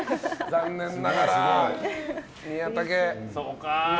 残念ながら宮田家。